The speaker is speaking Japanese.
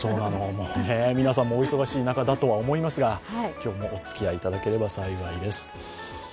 皆さんもお忙しい中だとは思いますが、今日もおつきあいいただければ幸いです。